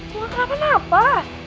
gue gak kenal kenapa